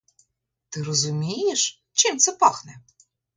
Ти розумієш, чим це пахне?